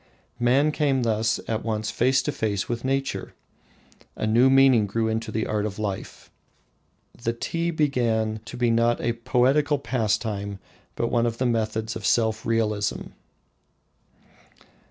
Man came thus at once face to face with nature. A new meaning grew into the art of life. The tea began to be not a poetical pastime, but one of the methods of self realisation.